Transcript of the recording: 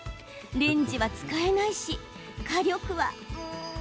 レンジは使えないし、火力はうーん。